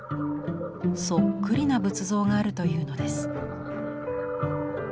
そっくりな仏像があるというのです。